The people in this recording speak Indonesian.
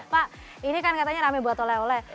pak ini kan katanya rame buat oleh oleh